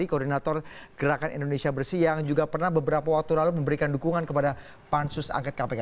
disini ada mas adi masadi koordinator gerakan indonesia bersih yang juga pernah beberapa waktu lalu memberikan dukungan kepada pansus h angkat kpk